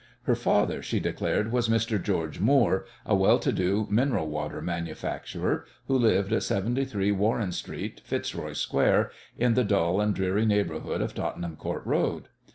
Her father, she declared, was Mr. George Moore, a well to do mineral water manufacturer, who lived at 73, Warren Street, Fitzroy Square, in the dull and dreary neighbourhood of Tottenham Court Road.